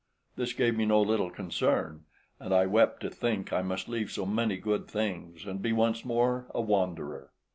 This gave me no little concern, and I wept to think I must leave so many good things, and be once more a wanderer.